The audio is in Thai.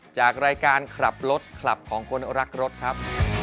จากรายการขับรถคลับของคนรักรถครับ